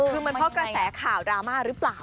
คือมันเพราะกระแสข่าวดราม่าหรือเปล่า